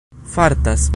fartas